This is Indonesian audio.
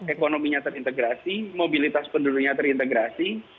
ekonominya terintegrasi mobilitas penduduknya terintegrasi